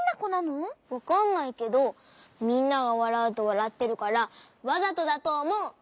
わかんないけどみんながわらうとわらってるからわざとだとおもう！